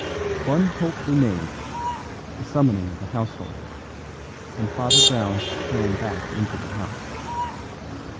One hope remained, the summoning of the household; and Father Brown ran back into the house.